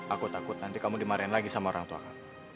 aku takut nanti kamu dimarahin lagi sama orang tua kamu